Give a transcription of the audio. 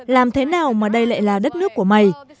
làm thế nào mà đây lại là đất nước của mày